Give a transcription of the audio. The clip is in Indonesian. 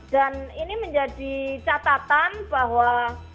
dan ini menjadi catatan bahwa